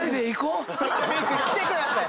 来てください。